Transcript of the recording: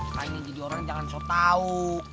kayaknya jadi orang jangan sotau